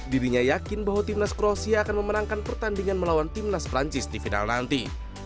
dirinya yakin bahwa timnas kroasia akan memenangkan pertandingan melawan timnas perancis di final nanti